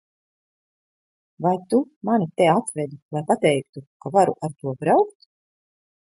Vai tu mani te atvedi, lai pateiktu, ka varu ar to braukt?